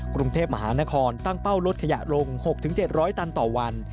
กรุงเทพมหานครตั้งเป้าลดขยะลง๖๗๐๐ตันต่อวัน